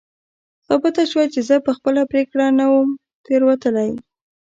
ثابته شوه چې زه په خپله پرېکړه نه وم تېروتلی.